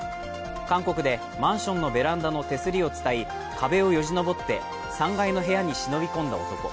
韓国でマンションのベランダの手すりを伝い、壁をよじ登って３階の部屋に忍び込んだ男。